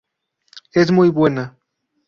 Es muy buena.